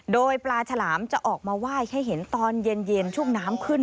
โดยปลาฉลามจะออกมาไหว้ให้เห็นตอนเย็นช่วงน้ำขึ้น